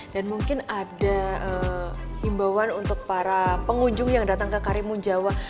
dan mungkin ada himbauan untuk para pengunjung yang datang ke karimu jawa